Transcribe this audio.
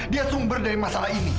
dia sumber dari masalah ini